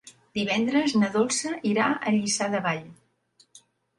Divendres na Dolça irà a Lliçà de Vall.